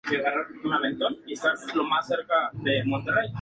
La catedral fue ampliada posteriormente cuando se construyó un ala oeste.